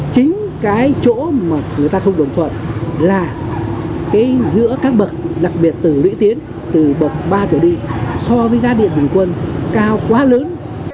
chính cái chỗ mà người ta không đồng thuận là giữa các bậc đặc biệt từ lũy tiến từ bậc ba trở đi so với giá điện bình quân cao quá lớn